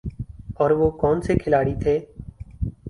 اور وہ کون سے کھلاڑی تھے ۔